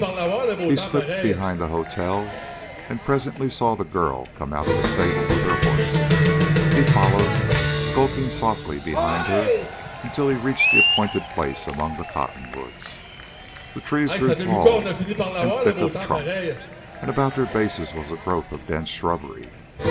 He slipped behind the hotel and presently saw the girl come out of the stable with her horse. He followed, skulking softly behind her until he reached the appointed place among the cottonwoods. The trees grew tall and thick of trunk, and about their bases was a growth of dense shrubbery.